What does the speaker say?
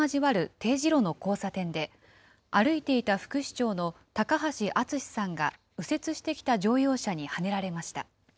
丁字路の交差点で、歩いていた副市長の高橋厚さんが右折してきた乗用車にはねられました。